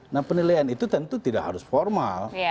nah penilaian itu tentu tidak harus formal